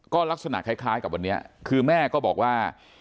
ก็ลักษณะคล้ายกับวันนี้คือแม่ก็บอกว่า